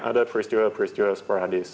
ada peristiwa peristiwa sporadis